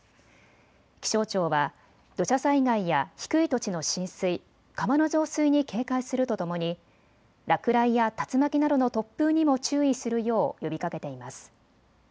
気象庁は土砂災害や低い土地の浸水、川の増水に警戒するとともに落雷や竜巻などの突風にも注意するよう呼びかけています。